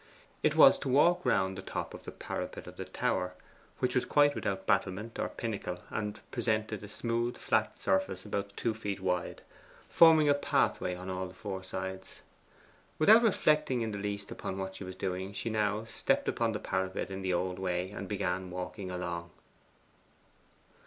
It was to walk round upon the parapet of the tower which was quite without battlement or pinnacle, and presented a smooth flat surface about two feet wide, forming a pathway on all the four sides. Without reflecting in the least upon what she was doing she now stepped upon the parapet in the old way, and began walking along.